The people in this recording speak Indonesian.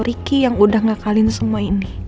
ricky yang udah ngakalin semua ini